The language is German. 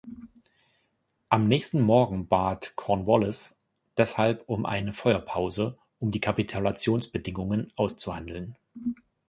Am nächsten Morgen bat Cornwallis deshalb um eine Feuerpause, um die Kapitulationsbedingungen auszuhandeln.